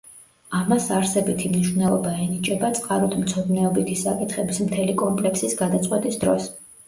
ამას არსებითი მნიშვნელობა ენიჭება წყაროთმცოდნეობითი საკითხების მთელი კომპლექსის გადაწყვეტის დროს.